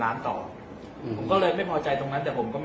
แล้วก็พอเล่ากับเขาก็คอยจับอย่างนี้ครับ